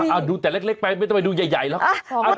เอาดูแต่เล็กไปไม่ต้องไปดูใหญ่หรอก